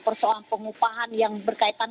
persoalan pengupahan yang berkaitan